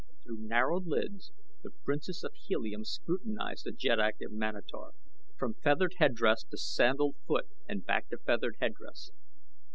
Through narrowed lids the Princess of Helium scrutinized the Jeddak of Manator, from feathered headdress to sandaled foot and back to feathered headdress.